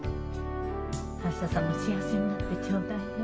あづささんも幸せになってちょうだいね。